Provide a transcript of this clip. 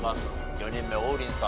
４人目王林さん